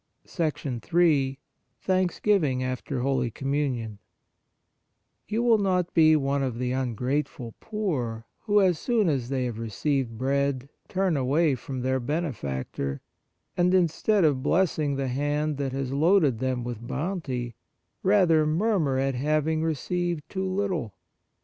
Ill Thanksgiving after Holy Communion You will not be one of the un grateful poor who, as soon as they have received bread, turn away from their benefactor, and, instead of blessing the hand that has loaded them with bounty, rather murmur at having received too little.